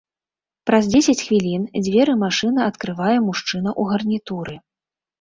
Праз дзесяць хвілін дзверы машыны адкрывае мужчына ў гарнітуры.